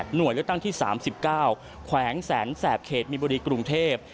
เลือกตั้งที่๓๙แขวงแสนแสบเขตมีบุรีกรุงเทพ